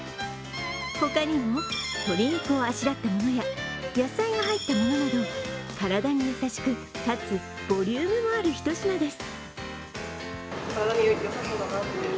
他にも、鶏肉をあしらったもの野菜が入ったものなど、体に優しくかつボリュームもあるひと品です。